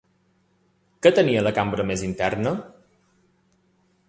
Què tenia la cambra més interna?